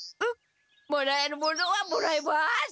もらえるものはもらいます。